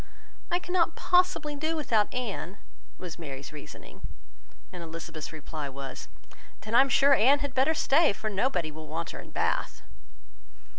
"I cannot possibly do without Anne," was Mary's reasoning; and Elizabeth's reply was, "Then I am sure Anne had better stay, for nobody will want her in Bath."